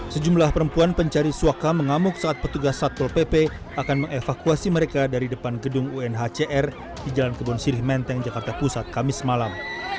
sejumlah perempuan pencari suaka mengamuk saat petugas satpol pp akan mengevakuasi mereka dari depan gedung unhcr di jalan kebon sirih menteng jakarta pusat kamis malam